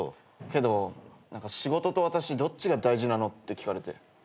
けど「仕事と私どっちが大事なの？」って聞かれて。